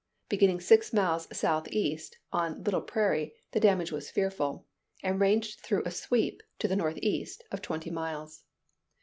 Beginning six miles southeast on Little Prairie, the damage was fearful, and ranged through a sweep, to the northeast, of twenty miles.